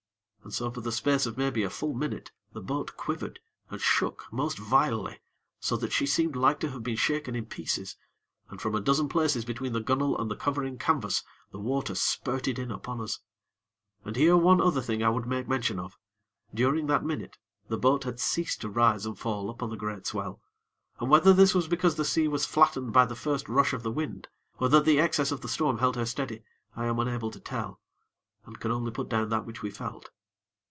And so for the space of maybe a full minute the boat quivered and shook most vilely, so that she seemed like to have been shaken in pieces, and from a dozen places between the gunnel and the covering canvas, the water spurted in upon us. And here one other thing I would make mention of: During that minute, the boat had ceased to rise and fall upon the great swell, and whether this was because the sea was flattened by the first rush of the wind, or that the excess of the storm held her steady, I am unable to tell; and can put down only that which we felt.